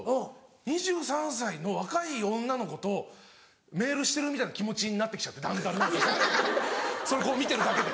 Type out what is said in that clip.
２３歳の若い女の子とメールしてるみたいな気持ちになって来ちゃってだんだん何かそれこう見てるだけで。